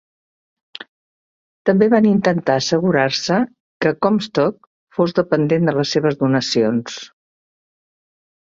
També van intentar assegurar-se que Comstock fos dependent de les seves donacions.